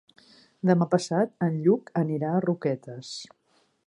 Demà passat en Lluc anirà a Roquetes.